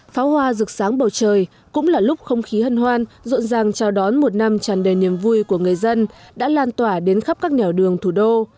pháo hoa rực sáng bầu trời cũng là lúc không khí hân hoan rộn ràng chào đón một năm tràn đầy niềm vui của người dân đã lan tỏa đến khắp các nẻo đường thủ đô